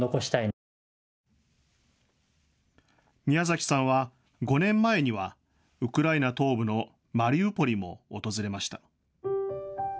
ミヤザキさんは５年前にはウクライナ東部のマリウポリも訪れました。